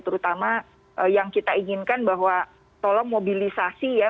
terutama yang kita inginkan bahwa tolong mobilisasi ya